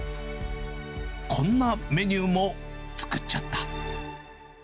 こんなメニューも作っちゃった。